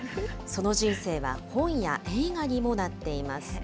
その人生は本や映画にもなっています。